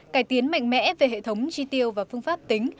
cải tiến mạnh mẽ về hệ thống chi tiêu và phương pháp tính